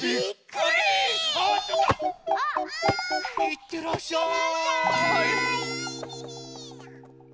いってらっしゃい。